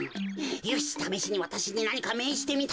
よしためしにわたしになにかめいじてみたまえ。